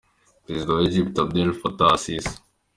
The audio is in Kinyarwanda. Perezida wa Egypt Abdel Fattah Al-Sisi